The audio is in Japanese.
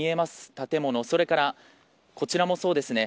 建物それから、こちらもそうですね。